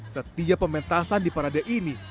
setiap pementasan di parade ini